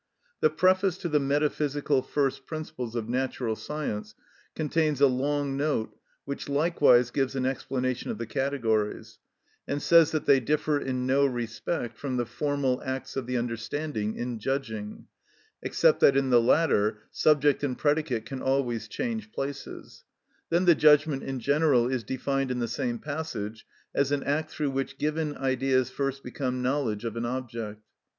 The preface to the "Metaphysical First Principles of Natural Science" contains a long note which likewise gives an explanation of the categories, and says that they "differ in no respect from the formal acts of the understanding in judging," except that in the latter subject and predicate can always change places; then the judgment in general is defined in the same passage as "an act through which given ideas first become knowledge of an object."